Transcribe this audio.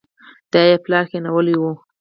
دا يې پلار کېنولې وه.